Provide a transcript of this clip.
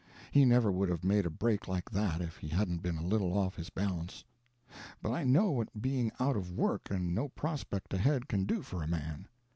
He never would have made a break like that if he hadn't been a little off his balance. But I know what being out of work and no prospect ahead can do for a man.